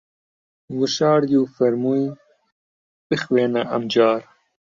وشاردی و فەرمووی: بخوێنە ئەمجار